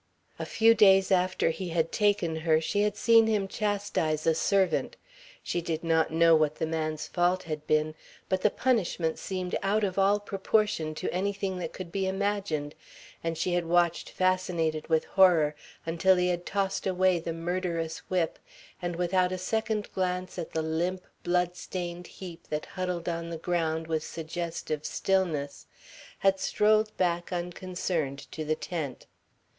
A few days after he had taken her she had seen him chastise a servant. She did not know what the man's fault had been, but the punishment seemed out of all proportion to anything that could be imagined, and she had watched fascinated with horror, until he had tossed away the murderous whip, and without a second glance at the limp, blood stained heap that huddled on the ground with suggestive stillness had strolled back unconcerned to the tent.